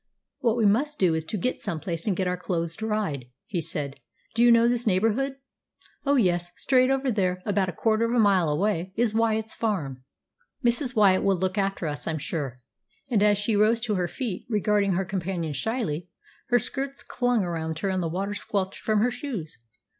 What we must do is to get to some place and get our clothes dried," he said. "Do you know this neighbourhood?" "Oh, yes. Straight over there, about a quarter of a mile away, is Wyatt's farm. Mrs. Wyatt will look after us, I'm sure." And as she rose to her feet, regarding her companion shyly, her skirts clung around her and the water squelched from her shoes.